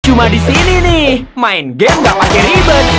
cuma disini nih main game gak pake ribet